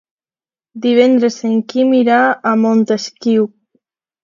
Divendres en Quim irà a Montesquiu.